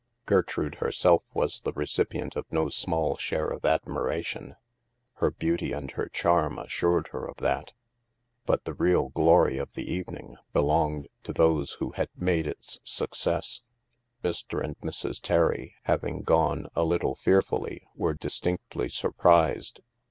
Gertrude, herself, was the recipient of no small share of admiration ; her beauty and her charm as sured her of that. But the real glory of the evening belonged to those who had made its success. Mr. and Mrs. Terry, having gone a little fear fully, were distinctly surprised.